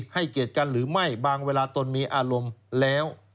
ให้เกียรติกันหรือไม่บางเวลาตนมีอารมณ์แล้ว